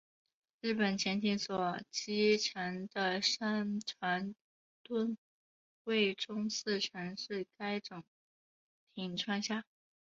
日本潜艇所击沉的商船吨位中四成是该种艇创下。